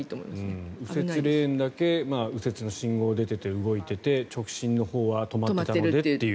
右折レーンだけ右折の信号が出ていて動いていて、直進のほうは止まっているのでという状況。